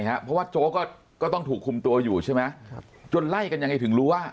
เพราะว่าโจ๊กก็ต้องถูกคุมตัวอยู่ใช่ไหมจนไล่กันยังไงถึงรู้ว่า